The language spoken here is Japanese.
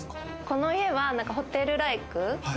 この家はホテルライク。